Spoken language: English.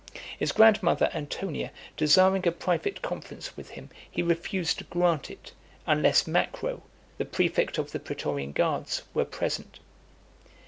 His grandmother Antonia desiring a private conference with him, he refused to grant it, unless Macro, the prefect of the pretorian guards, were present.